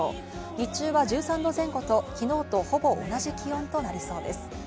日中は１３度前後と昨日とほぼ同じ気温となりそうです。